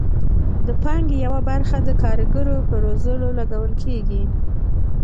د پانګې یوه برخه د کارګرو په روزلو لګول کیږي.